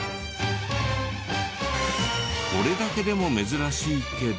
これだけでも珍しいけど。